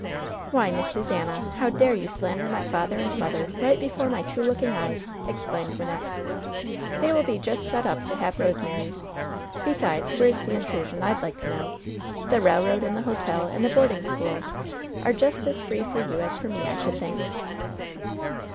"Why, Miss Susannah! How dare you slander my father and mother right before my two looking eyes ?" exclaimed Wynnette. "They will be just set up to have Rosemary! Besides, where's the intrusion, I'd like to know? The railroad and the hotel and the boarding school are just as free for you as for me, I should think."